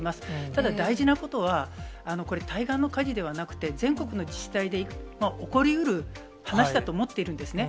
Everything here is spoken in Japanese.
ただ、大事なことは、これ、対岸の火事ではなくて、全国の自治体で起こりうる話だと思っているんですね。